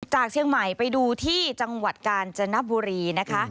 จากเชียงใหม่ไปดูที่จังหวัดกาญจนบุรีนะคะ